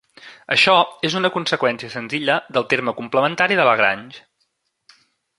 Això és una conseqüència senzilla del terme complementari de Lagrange.